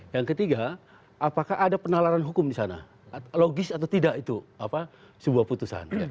yang ketiga apakah ada penalaran hukum di sana logis atau tidak itu sebuah putusan